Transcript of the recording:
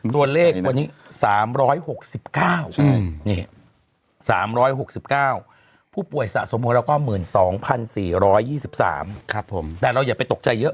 ตัวเลขวันนี้๓๖๙๓๖๙ผู้ป่วยสะสมของเราก็๑๒๔๒๓แต่เราอย่าไปตกใจเยอะ